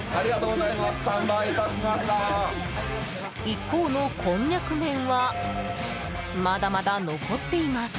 一方のこんにゃく麺はまだまだ残っています。